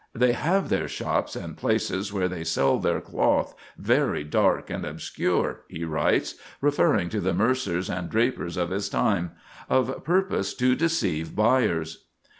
"They have their shops and places where they sell their cloth very dark and obscure," he writes, referring to the mercers and drapers of his time, "of purpose to deceive buyers."